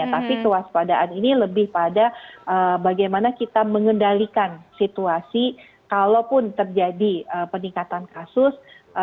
tapi kewaspadaan ini lebih pada bagaimana kita mengendalikan situasi kalaupun terjadi peningkatan kasus